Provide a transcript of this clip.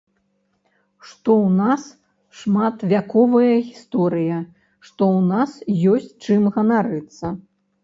Што ў нас шматвяковая гісторыя, што ў нас ёсць чым ганарыцца.